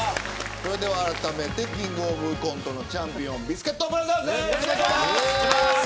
それでは、あらためてキングオブコントのチャンピオンビスケットブラザーズです。